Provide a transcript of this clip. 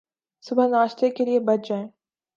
صبح ناشتے کے لئے بچ جائیں